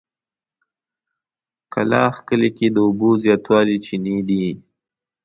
کلاخ کلي کې د اوبو زياتې چينې دي.